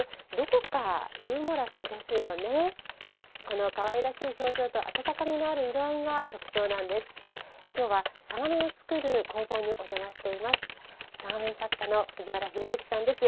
このかわいらしい表情と暖かみのある色合いが特徴なんです。